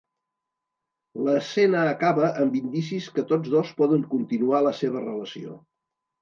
L'escena acaba amb indicis que tots dos poden continuar la seva relació.